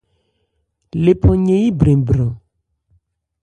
Lephan yɛ́n yí brɛ bran.